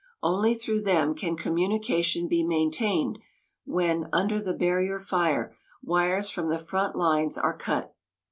Only through them can communication be maintained when, under the barrier fire, wires from the front lines are cut.